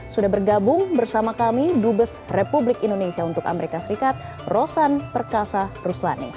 sudah bergabung bersama kami dubes republik indonesia untuk amerika serikat rosan perkasa ruslani